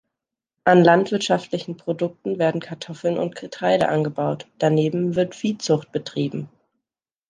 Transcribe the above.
An landwirtschaftlichen Produkten werden Kartoffeln und Getreide angebaut, daneben wird Viehzucht betrieben.